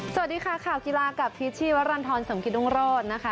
สวัสดีค่ะข่าวกีฬากับพีชชีวรรณฑรสมกิตรุงโรธนะคะ